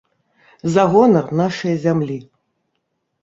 За гонар нашае зямлі!